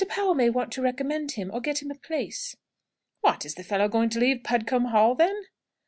Powell may want to recommend him, or get him a place." "What, is the fellow going to leave Pudcombe Hall, then?"